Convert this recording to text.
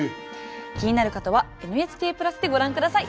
気になる方は「ＮＨＫプラス」でご覧下さい。